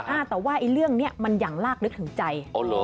อ้าแต่ว่าเรื่องนี้มันอย่างลากลึกถึงใจ